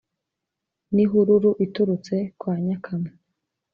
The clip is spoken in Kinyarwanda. n' ihururu iturutse kwa nyakamwe.